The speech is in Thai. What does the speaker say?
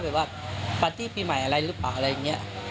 ปาร์ตี้ปีใหม่อะไรหรือเปล่าอะไรอย่างเงี้ย